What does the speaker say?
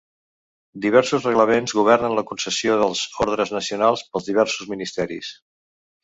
Diversos reglaments governen la concessió dels Ordes Nacionals pels diversos ministeris.